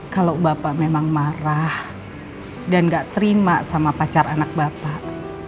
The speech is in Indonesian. kalau bapak memang marah dan gak terima sama pacar anak bapak